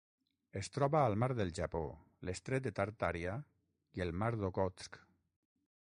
Es troba al mar del Japó, l'estret de Tartària i el mar d'Okhotsk.